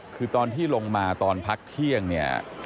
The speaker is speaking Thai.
คือตอนที่ลงมาตอนพักเที่ยงเนี่ย